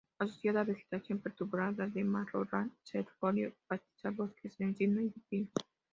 Asociada a vegetación perturbada de matorral xerófilo, pastizal, bosques de encino y de pino.